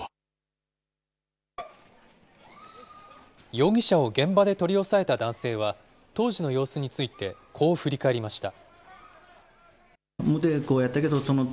容疑者を現場で取り押さえた男性は、当時の様子についてこう振り返りました。